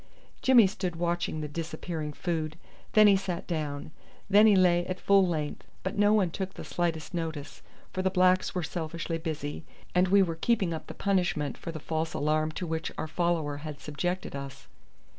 Jimmy stood watching the disappearing food, then he sat down. Then he lay at full length; but no one took the slightest notice, for the blacks were selfishly busy, and we were keeping up the punishment for the false alarm to which our follower had subjected us.